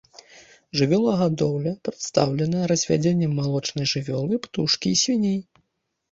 Жывёлагадоўля прадстаўлена развядзеннем малочнай жывёлы, птушкі і свіней.